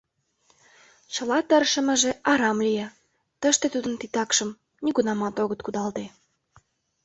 Чыла тыршымыже арам лие — тыште тудын титакшым нигунамат огыт кудалте.